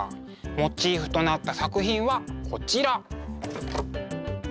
モチーフとなった作品はこちら。